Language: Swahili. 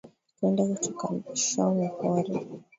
Twende tuka tshome pori